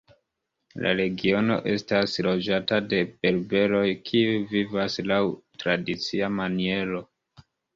La regiono estas loĝata de berberoj kiuj vivas laŭ tradicia maniero.